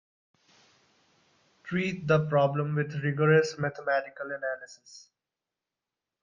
Treat the problem with rigorous mathematical analysis.